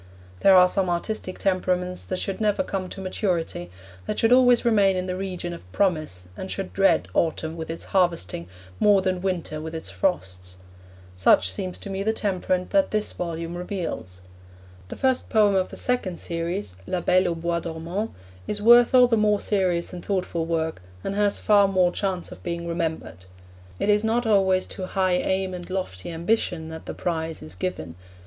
There are some artistic temperaments that should never come to maturity, that should always remain in the region of promise and should dread autumn with its harvesting more than winter with its frosts. Such seems to me the temperament that this volume reveals. The first poem of the second series, La Belle au Bois Dormant, is worth all the more serious and thoughtful work, and has far more chance of being remembered. It is not always to high aim and lofty ambition that the prize is given.